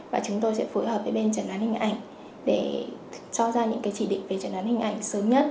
và chúng tôi sẽ phối hợp với bên chẩn đoán hình ảnh để cho ra những chỉ định về chẩn đoán hình ảnh sớm nhất